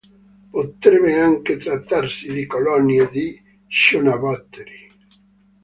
Potrebbe anche trattarsi di colonie di cianobatteri.